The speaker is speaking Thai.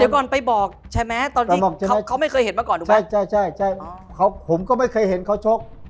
อ๋อครับครับ